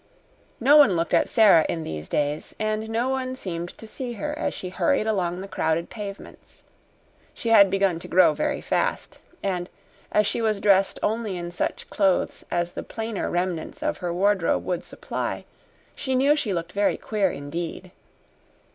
No one looked at Sara in these days, and no one seemed to see her as she hurried along the crowded pavements. She had begun to grow very fast, and, as she was dressed only in such clothes as the plainer remnants of her wardrobe would supply, she knew she looked very queer, indeed.